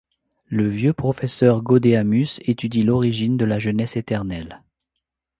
Le vieux professeur Gaudeamus étudie l'origine de la jeunesse éternelle.